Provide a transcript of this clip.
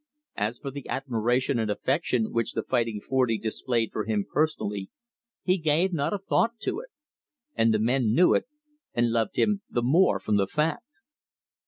As for the admiration and affection which the Fighting Forty displayed for him personally, he gave not a thought to it. And the men knew it, and loved him the more from the fact.